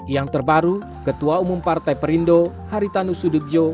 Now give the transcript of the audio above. yang terbaru ketua umum partai perindo haritanu sudutjo